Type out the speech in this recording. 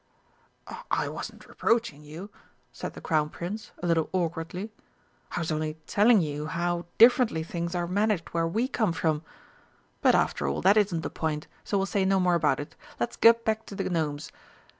"I wasn't reproaching you," said the Crown Prince, a little awkwardly, "I was only telling you how differently things are managed where we come from. But after all, that isn't the point, so we'll say no more about it. Let's get back to the Gnomes.